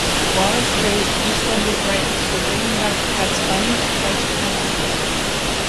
Wallace praised "EastEnders" writers for bringing back Kat's funny and feisty attitude.